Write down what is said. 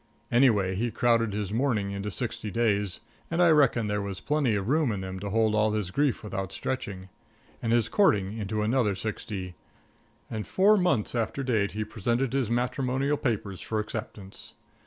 Anyway, he crowded his mourning into sixty days and I reckon there was plenty of room in them to hold all his grief without stretching and his courting into another sixty. And four months after date he presented his matrimonial papers for acceptance.